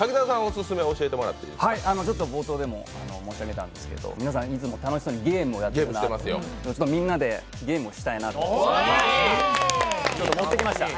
冒頭でも申し上げたんですけど、皆さん、いつも楽しそうにゲームをやっているのでみんなでゲームをしたいなと思いまして持ってきました。